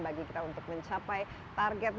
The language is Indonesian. bagi kita untuk mencapai target